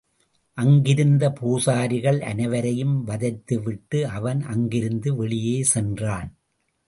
அங்கிருந்த பூசாரிகள் அனைவரையும் வதைத்துவிட்டு, அவன் அங்கிருந்து வெளியே சென்றான்.